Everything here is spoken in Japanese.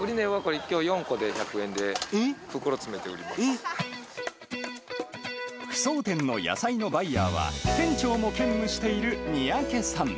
売り値はこれ、きょう４個で扶桑店の野菜のバイヤーは、店長も兼務している三宅さん。